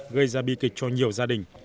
gây ra bi kịch cho nhiều gia đình